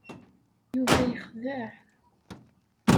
Yuba yexdeɛ.